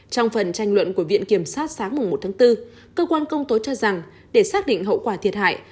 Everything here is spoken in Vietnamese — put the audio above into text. trong phần tranh luận của viện kiểm sát sáng một tháng bốn cơ quan công tố cho rằng để xác định hậu quả thiệt hại